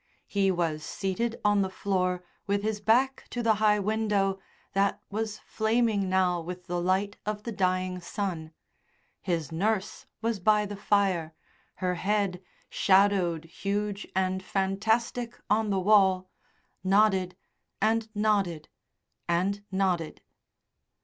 He was seated on the floor with his back to the high window that was flaming now with the light of the dying sun; his nurse was by the fire, her head, shadowed huge and fantastic on the wall, nodded and nodded and nodded.